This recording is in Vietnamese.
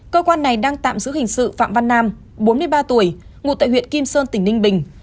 cơ quan này đang tạm giữ hình sự phạm văn nam bốn mươi ba tuổi ngụ tại huyện kim sơn tỉnh ninh bình